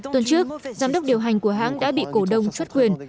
tuần trước giám đốc điều hành của hãng đã bị cổ đông chuất quyền